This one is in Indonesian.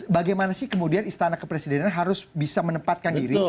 bagaimana sih kemudian istana kepresidenan harus bisa menempatkan diri